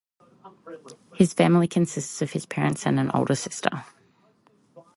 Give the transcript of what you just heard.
His family consists of his parents and an older sister.